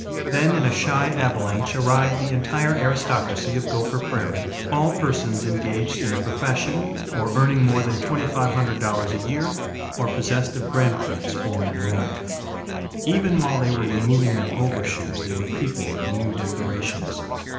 Then in a shy avalanche arrived the entire aristocracy of Gopher Prairie: all persons engaged in a profession, or earning more than twenty five hundred dollars a year, or possessed of grandparents born in America. Even while they were removing their overshoes they were peeping at the new decorations.